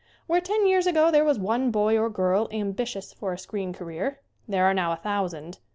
Where ten years ago there was one boy or girl ambitious for a screen career there are now a thousand.